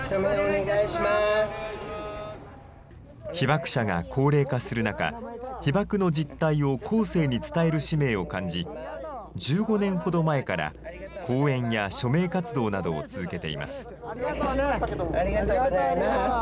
被爆者が高齢化する中、被爆の実態を後世に伝える使命を感じ、１５年ほど前から講演や署名活動などを続けています。